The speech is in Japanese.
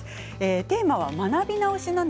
テーマは学び直し。